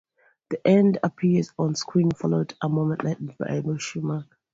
"The End" appears on screen, followed a moment later by a question mark.